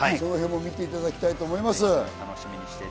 見ていただきたいと思います。